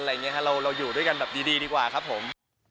เราอยู่ด้วยกันแบบดีดีกว่าครับผม